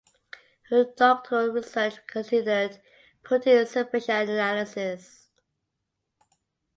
Her doctoral research considered protein separation and analysis.